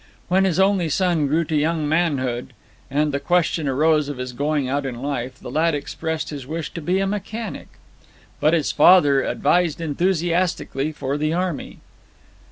When his only son grew to young manhood, and the question arose of his going out in life, the lad expressed his wish to be a mechanic. But his father advised enthusiastically for the army.